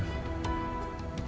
tapi saya pasti akan melihatnya